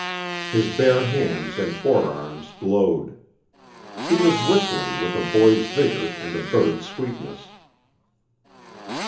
His bare hands and forearms glowed. He was whistling with a boy's vigor and a bird's sweetness.